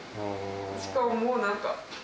しかももうなんか。